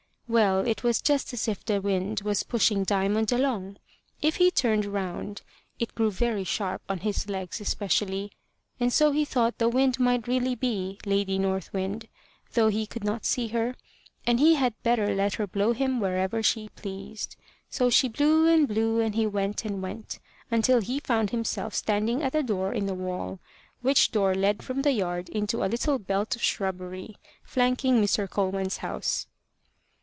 Well, it was just as if the wind was pushing Diamond along. If he turned round, it grew very sharp on his legs especially, and so he thought the wind might really be Lady North Wind, though he could not see her, and he had better let her blow him wherever she pleased. So she blew and blew, and he went and went, until he found himself standing at a door in a wall, which door led from the yard into a little belt of shrubbery, flanking Mr. Coleman's house.